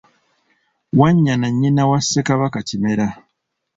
Wanyana nnyina wa Ssekabaka Kimera .